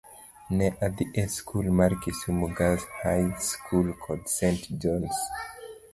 Ne adhi e skul mar Kisumu Girls High School kod St. John's.